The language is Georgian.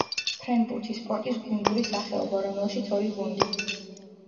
ფრენბურთი — სპორტის გუნდური სახეობა, რომელშიც ორი გუნდი